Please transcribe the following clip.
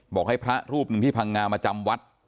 บอกให้พระรูปหนึ่งที่พังงามาจำวัด